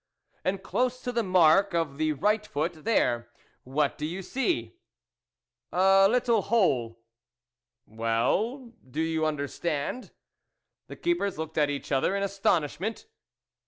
" And close to the mark of the right foot there what do you see ?" A little hole." " Well, do you understand ?" The keepers looked at each other in astonishment.